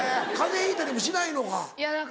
ひいたりもしないのか。